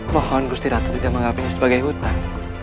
mohon gusti ratu tidak menganggap ini sebagai hutan